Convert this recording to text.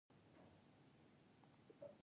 د زابل ډېری خلک په کرنه او مالدارۍ بوخت دي.